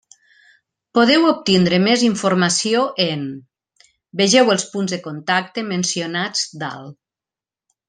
Podeu obtindre més informació en: vegeu els punts de contacte mencionats dalt.